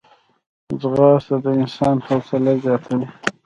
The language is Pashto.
ځغاسته د انسان حوصله زیاتوي